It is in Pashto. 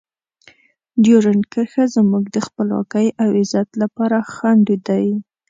ډیورنډ کرښه زموږ د خپلواکۍ او عزت لپاره خنډ دی.